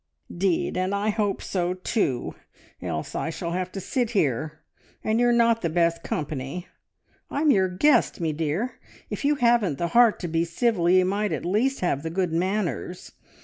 "'Deed, and I hope so, too! Else I shall have to sit here, and you're not the best company. I'm your guest, me dear if you haven't the heart to be civil ye might at least have the good manners!